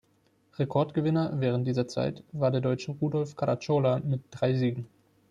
Rekordgewinner während dieser Zeit war der Deutsche Rudolf Caracciola mit drei Siegen.